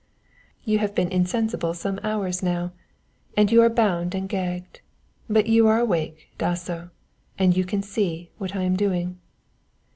You have been insensible some hours now and you are bound and gagged. But you are awake, Dasso, and you can see what I am doing."